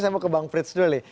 saya mau ke bang frits dulu